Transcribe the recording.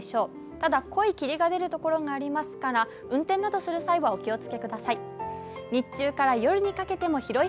ただ、濃い霧が出るところがありますから運転などする際はお気を付け下さい。